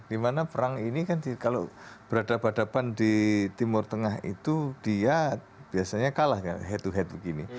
dimana perang ini kan kalau berada badapan di timur tengah itu dia biasanya kalah kan head to head begini